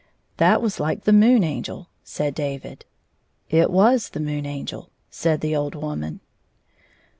" That was like the Moon Angel," said David. "It was the Moon Angel," said the old woman.